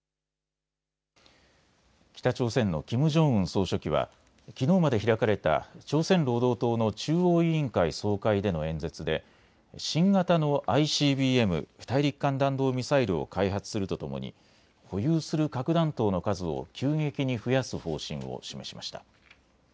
北朝鮮のキム・ジョンウン総書記はきのうまで開かれた朝鮮労働党の中央委員会総会での演説で新型のＩＣＢＭ・大陸間弾道ミサイルを開発するとともに保有する核弾頭の数を急激に増やす方針を示しました。